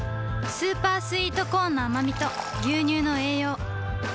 スーパースイートコーンのあまみと牛乳の栄養